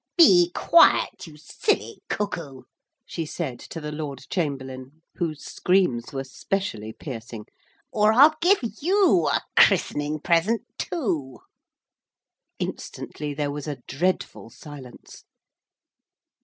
'Be quiet, you silly cuckoo,' she said to the Lord Chamberlain, whose screams were specially piercing, 'or I'll give you a christening present too.' Instantly there was a dreadful silence.